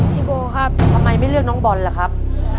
ทำไมไม่เลือกน้องบอลล่ะครับ